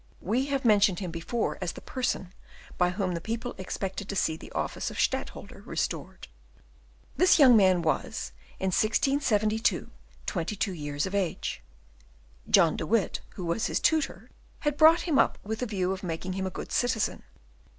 We have mentioned him before as the person by whom the people expected to see the office of Stadtholder restored. This young man was, in 1672, twenty two years of age. John de Witt, who was his tutor, had brought him up with the view of making him a good citizen.